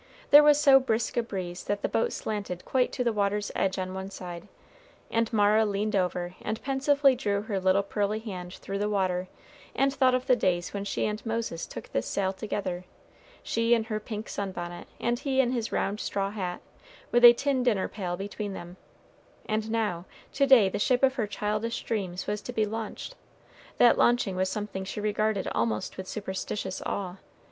There was so brisk a breeze that the boat slanted quite to the water's edge on one side, and Mara leaned over and pensively drew her little pearly hand through the water, and thought of the days when she and Moses took this sail together she in her pink sun bonnet, and he in his round straw hat, with a tin dinner pail between them; and now, to day the ship of her childish dreams was to be launched. That launching was something she regarded almost with superstitious awe.